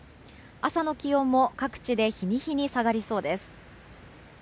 朝の気温も各地で日に日に下がりそうです。